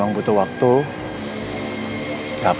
aku buat minta orang insya allah